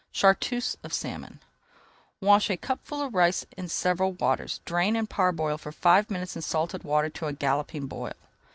CHARTREUSE OF SALMON Wash a cupful of rice in several waters, drain and parboil for five minutes in salted water at a galloping boil.